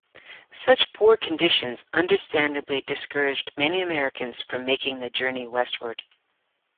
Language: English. Such poor conditions understandably discouraged many Americans from making the journey westward.